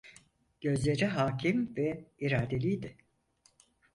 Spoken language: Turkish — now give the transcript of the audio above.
Gözleri hâkim ve iradeliydi.